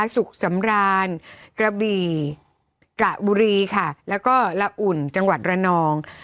สุขสำรานกระบี่กระบุรีค่ะแล้วก็ละอุ่นจังหวัดระนอง